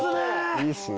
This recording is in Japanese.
いいっすね！